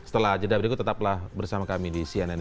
kemudian dari kejanggalan tadi